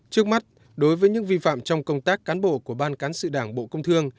trước mắt đối với những vi phạm trong công tác cán bộ của ban cán sự đảng bộ công thương